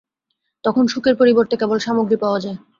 তখন সুখের পরিবর্তে কেবল সামগ্রী পাওয়া যায়।